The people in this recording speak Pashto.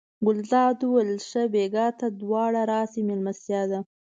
ګلداد وویل ښه بېګا ته دواړه راسئ مېلمستیا ده.